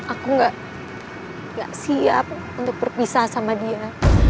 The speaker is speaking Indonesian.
aku nggak siap untuk berpisah sama dia